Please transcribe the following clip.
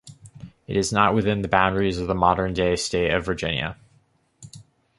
It is not within the boundaries of the modern-day state of Virginia.